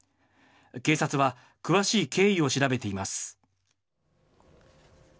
警察は、詳しい経緯を調べています。